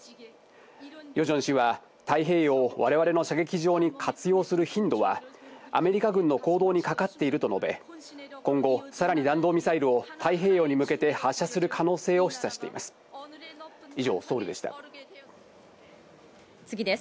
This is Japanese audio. ヨジョン氏は太平洋を我々の射撃場に活用する頻度はアメリカ軍の行動にかかっていると述べ、今後さらに弾道ミサイルを太平洋に向けて発射する可能性を示唆しています。